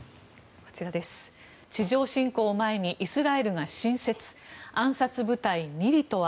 地上侵攻を前にイスラエルが新設暗殺部隊ニリとは？